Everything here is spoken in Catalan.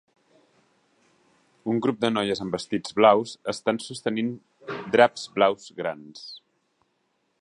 Un grup de noies amb vestits blaus estan sostenint draps blaus grans.